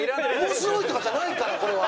面白いとかじゃないからこれは。